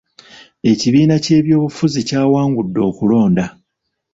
Ekibiina kye eky'obufuzi kyawangudde okulonda.